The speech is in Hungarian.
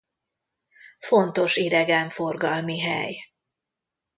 Fontos idegenforgalmi hely.